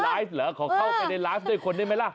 ไลฟ์เหรอไลฟ์เหรอเขาเข้าไปในไลฟ์ด้วยคนได้ไหมล่ะ